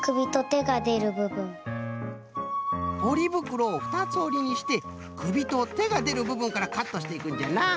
ポリぶくろをふたつおりにしてくびとてがでるぶぶんからカットしていくんじゃな。